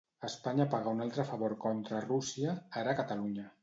Espanya paga un altre favor contra Rússia, ara a Catalunya.